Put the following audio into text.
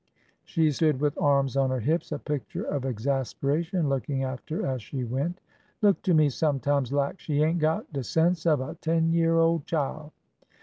She stood, with arms on her hips, a picture of exaspera tion, looking after her as she went. '' Look to me sometimes lak she ain't got de sense of a ten year ole chile